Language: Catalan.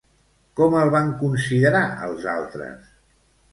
Com el van considerar els altres?